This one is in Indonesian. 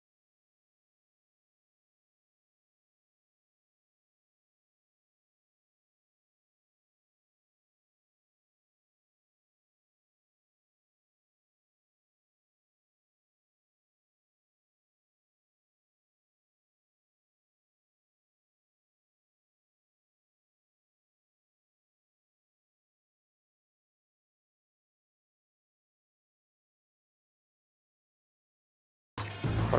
mas mbak udah pulang